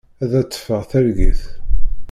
Ad d-teffeɣ targit.